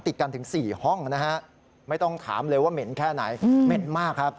ติดกันถึง๔ห้องนะฮะไม่ต้องถามเลยว่าเหม็นแค่ไหนเหม็นมากครับ